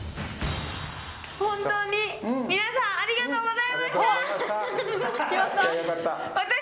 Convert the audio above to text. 本当に皆さんありがとうございました。